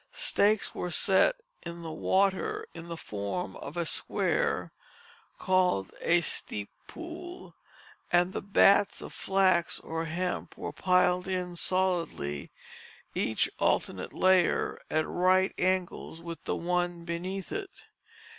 Stakes were set in the water in the form of a square, called a steep pool, and the bates of flax or hemp were piled in solidly, each alternate layer at right angles with the one beneath it.